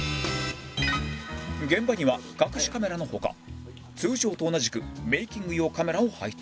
現場には隠しカメラの他通常と同じくメイキング用カメラを配置